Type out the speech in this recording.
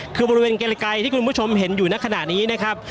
คือบริเวณไกลที่คุณผู้ชมเห็นอยู่ในขณะนี้นะครับ